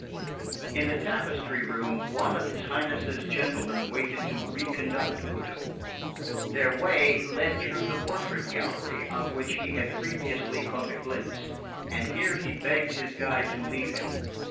In the tapestry room one of his Highness's gentlemen waited to reconduct Odo. Their way lay through the portrait gallery of which he had previously caught a glimpse, and here he begged his guide to leave him.